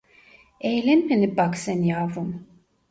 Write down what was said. Eğlenmene bak sen yavrum.